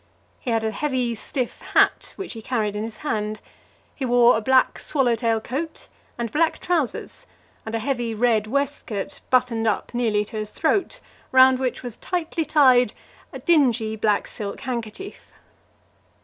He had a heavy stiff hat, which he carried in his hand. He wore a black swallow tail coat and black trousers, and a heavy red waistcoat buttoned up nearly to his throat, round which was tightly tied a dingy black silk handkerchief.